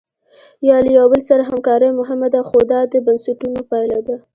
یا له یو بل سره همکاري مهمه ده خو دا د بنسټونو پایله ده.